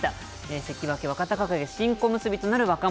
関脇・若隆景、新小結となる若元